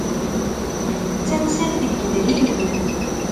D tamsalt n yidrimen.